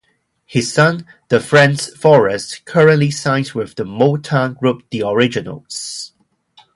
His son, Defrantz Forrest, currently sings with the Motown group The Originals.